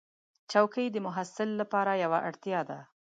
چوکۍ د محصل لپاره یوه اړتیا ده.